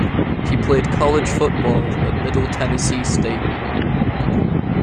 He played college football at Middle Tennessee State.